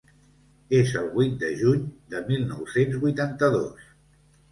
És el vuit de juny de mil nou-cents vuitanta-dos.